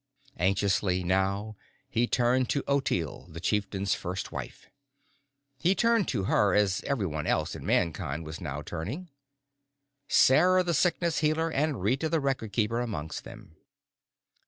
Anxiously, now, he turned to Ottilie, the Chieftain's First Wife. He turned to her as everyone else in Mankind was now turning, Sarah the Sickness Healer and Rita the Record Keeper amongst them.